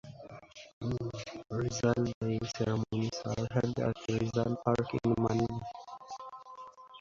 Rizal Day ceremonies are held at Rizal Park in Manila.